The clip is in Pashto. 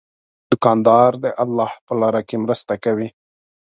دوکاندار د الله په لاره کې مرسته کوي.